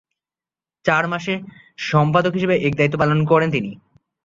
প্রথম চার মাস সম্পাদক হিসেবে এর দায়িত্ব পালন করেন তিনি।